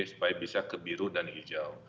supaya bisa ke biru dan hijau